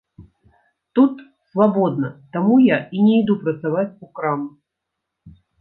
Тут свабодна, таму я не іду працаваць у краму.